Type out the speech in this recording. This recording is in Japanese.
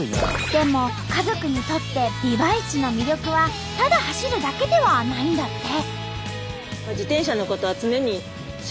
でも家族にとってビワイチの魅力はただ走るだけではないんだって。